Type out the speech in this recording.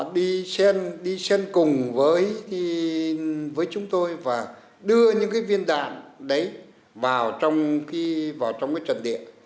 đi xem cùng với chúng tôi và đưa những cái viên đạn đấy vào trong cái trận địa